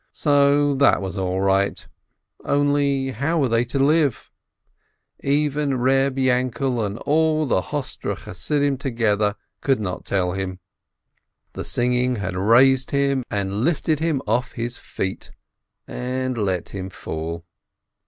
So that was all right — only, how were they to live? Even Reb Yainkel and all the Hostre Chassidim to gether could not tell him ! The singing had raised him and lifted him off his feet, and let him fall.